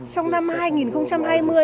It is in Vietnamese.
trong năm hai nghìn hai mươi